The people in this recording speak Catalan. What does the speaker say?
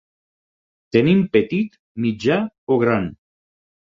Tenim petit, mitjà o gran.